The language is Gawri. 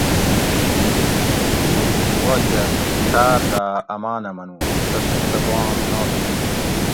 "دِیر تھی واکہ ٹاۤر داۤ امانہ منو ""تسوں تہ بام نا تھو"